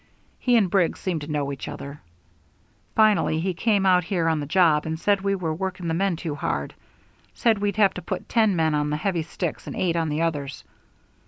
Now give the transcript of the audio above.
He and Briggs seemed to know each other. Finally he came out here on the job and said we were working the men too hard said we'd have to put ten men on the heavy sticks and eight on the others.